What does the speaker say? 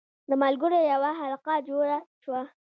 د ملګرو یوه حلقه جوړه شوه.